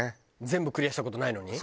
全部クリアした事ないのに？